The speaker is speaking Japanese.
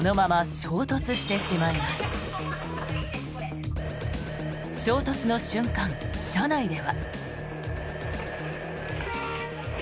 衝突の瞬間、車内では。